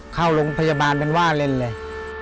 เข้าโรงพยาบาลเป็นว่าเล่นเลย